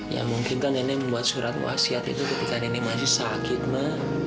ya mungkin kan nenek membuat surat wasiat itu ketika nenek masih sakit mah